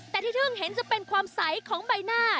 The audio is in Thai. แต่ที่ทึ่งเห็นจะเป็นความใสของใบหน้า